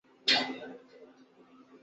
سیاست؛ البتہ نام ہے۔